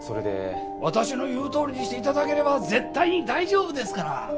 私の言うとおりにして頂ければ絶対に大丈夫ですから。